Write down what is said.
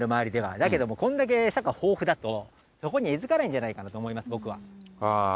だけども、こんだけ餌が豊富だと、そこに餌付かないんじゃないかと思います、僕は。